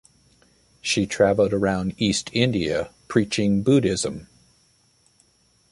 She traveled around East India preaching Buddhism.